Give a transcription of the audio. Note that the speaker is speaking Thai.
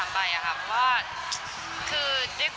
อายุเยอะก็แล้วก็ปกติค่ะ